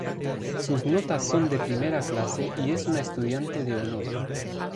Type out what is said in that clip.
Sus notas son de primera clase y es una estudiante de honor.